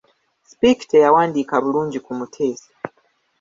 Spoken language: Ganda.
Speke teyawandiika bulungi ku Muteesa.